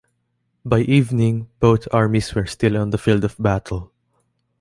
By evening, both armies were still on the field of battle.